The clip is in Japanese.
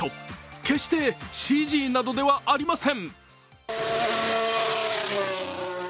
決してＣＧなどではありません。